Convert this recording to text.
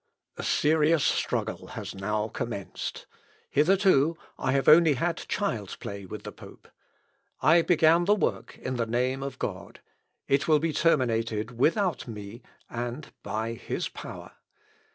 A serious struggle has now commenced. Hitherto I have only had child's play with the pope. I began the work in the name of God; it will be terminated without me and by his power.